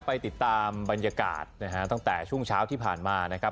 ไปติดตามบรรยากาศตั้งแต่ช่วงเช้าที่ผ่านมา